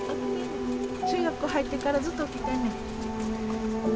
中学校入ってからずっと起きてんねん。